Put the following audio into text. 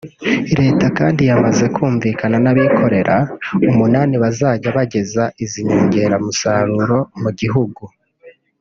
Leta kandi yamaze kumvikana n’abikorera umunani bazajya bageza izi nyongeramusaruro mu gihugu